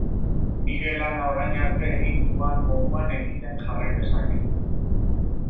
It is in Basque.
Nire lana orain arte egin duan moduan egiten jarrai dezaket.